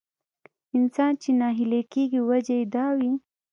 انسان چې ناهيلی کېږي وجه يې دا وي.